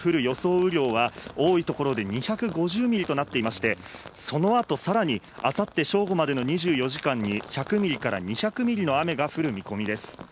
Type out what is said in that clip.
雨量は、多い所で２５０ミリとなっていまして、そのあとさらにあさって正午までの２４時間に１００ミリから２００ミリの雨が降る見込みです。